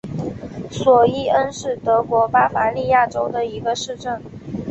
索伊恩是德国巴伐利亚州的一个市镇。